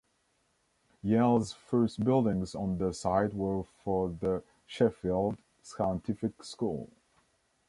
Yale's first buildings on the site were for the Sheffield Scientific School.